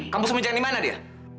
kamu sembunyikan di mana dia